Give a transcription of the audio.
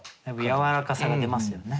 やわらかさが出ますよね。